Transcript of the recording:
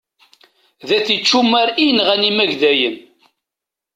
D at ičumar i yenɣan imagdayen.